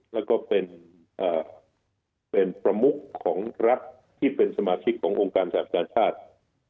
แล้วก็เป็นประมุขของรัฐที่เป็นสมาชิกขององค์การศาสตร์ชาติ